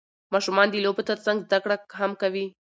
ماشومان د لوبو ترڅنګ زده کړه هم کوي